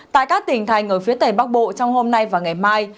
tại các tỉnh thành ở phía tây bắc bộ trong hôm nay và ngày mai